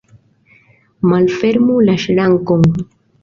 Malfermu la ŝrankon!